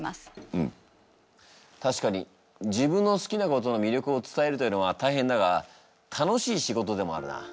うん確かに自分の好きなことの魅力を伝えるというのは大変だが楽しい仕事でもあるな。